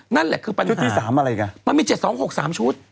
นั่นแหละคือปัญหาชุดที่สามอะไรกันมันมีเจ็ดสองหกสามชุด